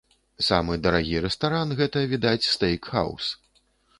Самы дарагі рэстаран гэта, відаць, стэйк-хаус.